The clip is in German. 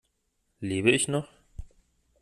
Lebe ich noch?